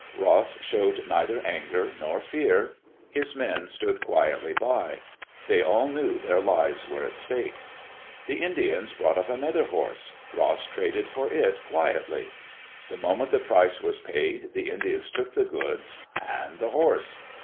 Ross showed neither anger nor fear. His men stood quietly by. iThey all knew their lives were at stake. The Indians brought up another horse. Ross traded for it quiistly. The moment the price was paid, the Indians took the goods and the horse.